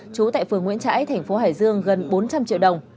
trú tại phường nguyễn trãi thành phố hải dương gần bốn trăm linh triệu đồng